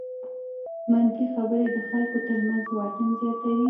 منفي خبرې د خلکو تر منځ واټن زیاتوي.